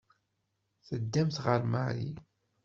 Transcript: Teddamt ɣer Marie.